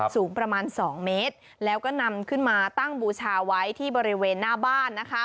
สูงประมาณ๒เมตรแล้วก็นำขึ้นมาตั้งบูชาไว้ที่บริเวณหน้าบ้านนะคะ